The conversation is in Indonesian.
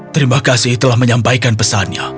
terima kasih telah menyampaikan pesannya